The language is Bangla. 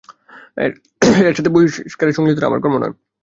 এর সাথে বহিষ্কারের সংশ্লিষ্টতা আমার কর্ম নয়।